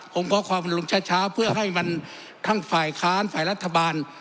ผมขอความรุมเช้าเพื่อให้มันทั้งฝ่ายค้านฝ่ายรัฐบาล